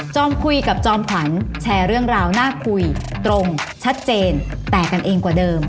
คุยกับจอมขวัญแชร์เรื่องราวน่าคุยตรงชัดเจนแตกกันเองกว่าเดิม